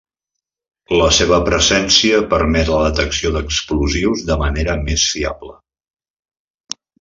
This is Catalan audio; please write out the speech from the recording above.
La seva presència permet la detecció d'explosius de manera més fiable.